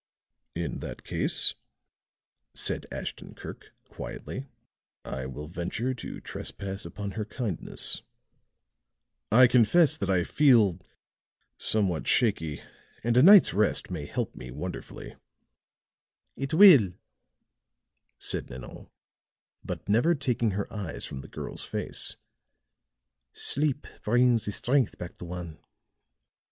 "In that case," said Ashton Kirk, quietly, "I will venture to trespass upon her kindness. I confess that I feel somewhat shaky, and a night's rest may help me wonderfully." "It will," said Nanon, but never taking her eyes from the girl's face; "sleep brings the strength back to one.